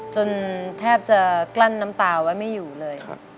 แทบจะกลั้นน้ำตาไว้ไม่อยู่เลย